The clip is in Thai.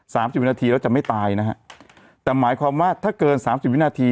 สิบวินาทีแล้วจะไม่ตายนะฮะแต่หมายความว่าถ้าเกินสามสิบวินาที